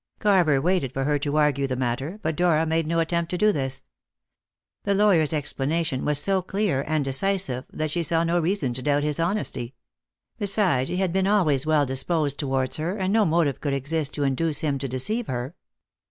Carver waited for her to argue the matter, but Dora made no attempt to do this. The lawyer's explanation was so clear and decisive that she saw no reason to doubt his honesty. Besides, he had been always well disposed towards her, and no motive could exist to induce him to deceive her.